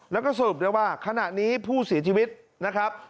แล้วก็สรุปได้ว่าขณะนี้ผู้เสียชีวิตนะครับ